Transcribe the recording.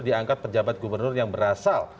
diangkat pejabat gubernur yang berasal